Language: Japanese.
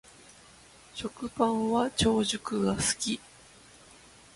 食パンは長熟が好き